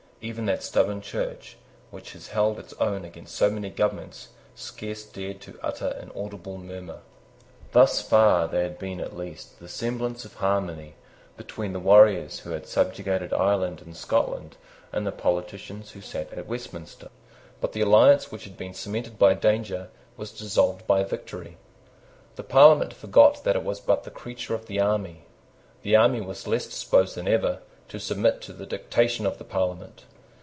Even that stubborn Church, which has held its own against so many governments, scarce dared to utter an audible murmur. Thus far there had been at least the semblance of harmony between the warriors who had subjugated Ireland and Scotland and the politicians who sate at Westminster: but the alliance which had been cemented by danger was dissolved by victory. The Parliament forgot that it was but the creature of the army. The army was less disposed than ever to submit to the dictation of the Parliament.